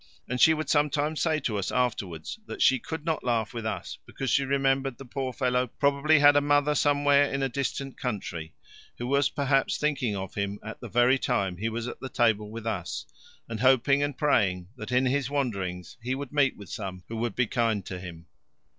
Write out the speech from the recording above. And she would sometimes say to us afterwards that she could not laugh with us because she remembered the poor fellow probably had a mother somewhere in a distant country who was perhaps thinking of him at the very time he was at the table with us, and hoping and praying that in his wanderings he would meet with some who would be kind to him.